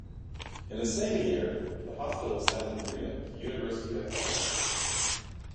In the same year, the hospital signed an agreement with the University of Ottawa.